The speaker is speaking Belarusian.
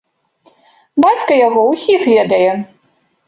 Бацька яго ўсіх ведае.